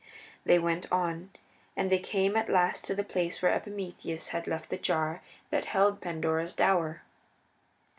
They went on, and they came at last to the place where Epimetheus had left the jar that held Pandora's dower.